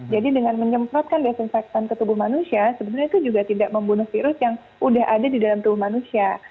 jadi dengan menyemprotkan disinfection ke tubuh manusia sebenarnya itu juga tidak membunuh virus yang udah ada di dalam tubuh manusia